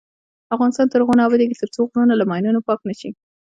افغانستان تر هغو نه ابادیږي، ترڅو غرونه له ماینونو پاک نشي.